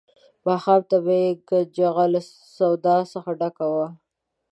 ماښام ته به یې کنجغه له سودا څخه ډکه وه.